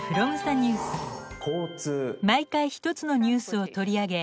毎回１つのニュースを取り上げ